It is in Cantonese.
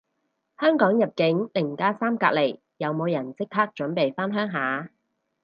香港入境零加三隔離，有冇人即刻準備返鄉下